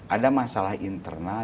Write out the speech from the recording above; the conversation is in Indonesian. ada masalah internal